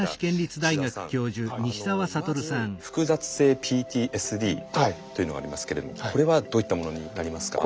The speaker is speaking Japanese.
まず複雑性ＰＴＳＤというのがありますけれどもこれはどういったものになりますか？